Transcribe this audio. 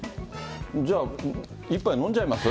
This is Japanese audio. じゃあ、１杯飲んじゃいます？